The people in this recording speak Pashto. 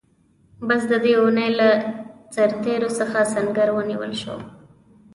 بس د دې اوونۍ له سرتېرو څخه سنګر ونیول شو.